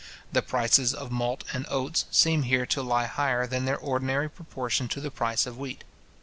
The prices of malt and oats seem here to lie higher than their ordinary proportion to the price of wheat.